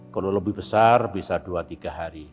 kalau lebih besar bisa dua tiga hari